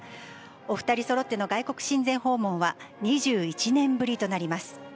お２人そろっての外国親善訪問は２１年ぶりとなります。